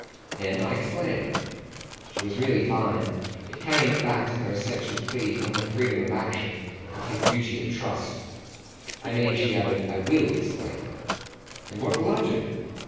"Then I explain." She was really fine; it came back to her essential plea for her freedom of action and his beauty of trust. "I mean," she added, "I WILL explain." "And what will I do?"